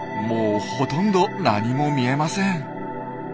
もうほとんど何も見えません。